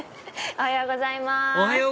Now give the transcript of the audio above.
おはようございます